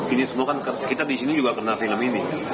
ini semua kan kita di sini juga kena film ini